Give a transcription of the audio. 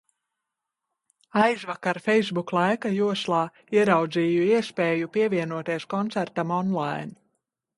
Aizvakar facebook laika joslā ieraudzīju iespēju pievienoties koncertam on-line.